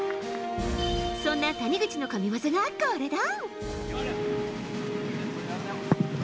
そんな谷口の神技がこれだ。